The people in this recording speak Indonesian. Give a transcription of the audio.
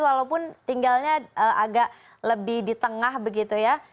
walaupun tinggalnya agak lebih di tengah begitu ya